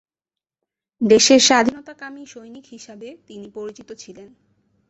দেশের স্বাধীনতাকামী সৈনিক হিসাবে তিনি পরিচিত ছিলেন।